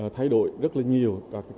thay đổi rất là nhiều